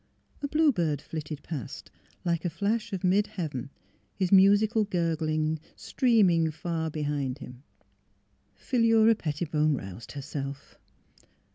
A bluebird flitted past, like a flash of mid heaven, his musical gurgle streaming far behind him. Philura Pettibone roused herself.